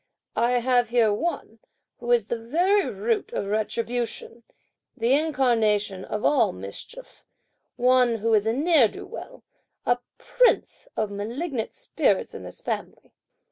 I have here one, who is the very root of retribution, the incarnation of all mischief, one who is a ne'er do well, a prince of malignant spirits in this family.